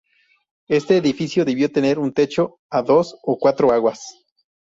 Este edificio debió tener un techo a dos o cuatro aguas.